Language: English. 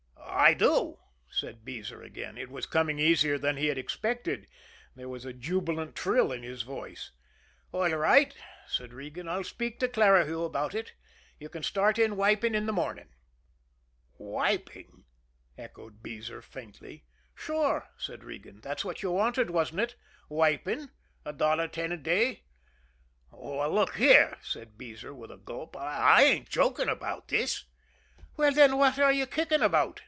"I do," said Beezer again. It was coming easier than he had expected there was a jubilant trill in his voice. "All right," said Regan. "I'll speak to Clarihue about it. You can start in wiping in the morning." "Wiping?" echoed Beezer faintly. "Sure," said Regan. "That's what you wanted, wasn't it? Wiping a dollar ten a day." "Look here," said Beezer with a gulp; "I ain't joking about this." "Well, then, what are you kicking about?"